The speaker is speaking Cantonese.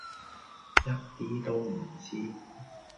一啲都唔知